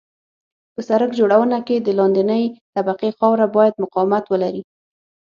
په سرک جوړونه کې د لاندنۍ طبقې خاوره باید مقاومت ولري